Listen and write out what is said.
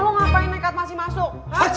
lo ngapain nekat masih masuk